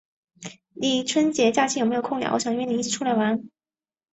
你春节假期有没有空呀？我想约你一起出来玩。